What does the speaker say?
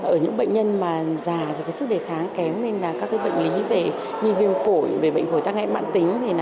ở những bệnh nhân già sức đề kháng kém các bệnh lý như viêm phổi bệnh phổi tăng hệ mạng tính